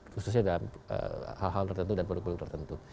khususnya dalam hal hal tertentu dan produk produk tertentu